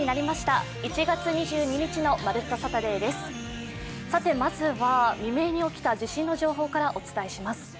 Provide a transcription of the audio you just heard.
まずは未明に起きた地震の情報からはお伝えします。